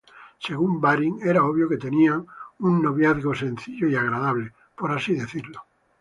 Según Baring, "era obvio que tenían un noviazgo sencillo y agradable, por así decirlo".